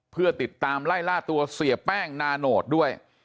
เพื่อติดตามไล่ล่าตัวเสียแป้งนาโนตด้วย